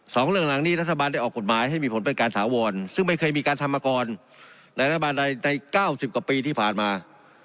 เรื่องหลังนี้รัฐบาลได้ออกกฎหมายให้มีผลเป็นการถาวรซึ่งไม่เคยมีการทำมาก่อนในรัฐบาลใดในเก้าสิบกว่าปีที่ผ่านมา